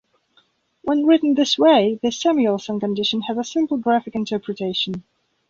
When written this way, the Samuelson condition has a simple graphic interpretation.